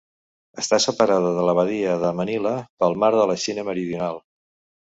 Està separada de la Badia de Manila pel Mar de la Xina Meridional.